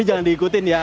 ini jangan diikutin ya